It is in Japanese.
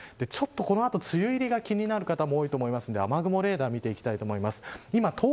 ちょっとこの後、梅雨入りが気になる方も多いと思うので雨雲レーダーを見ていきます。